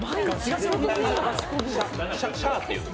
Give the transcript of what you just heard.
シャーっていうの？